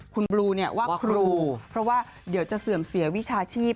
คุณบลูเนี่ยว่าครูเพราะว่าเดี๋ยวจะเสื่อมเสียวิชาชีพ